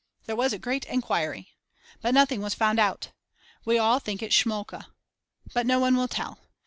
There was a great enquiry. But nothing was found out. We all think it is Schmolka. But no one will tell.